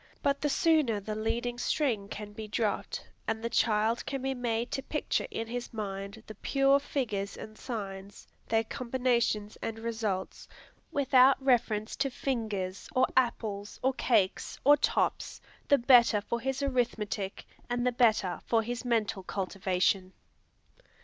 But the sooner the leading string can be dropped, and the child can be made to picture in his mind the pure figures and signs, their combinations and results, without reference to fingers, or apples, or cakes, or tops, the better for his arithmetic, and the better for his mental cultivation.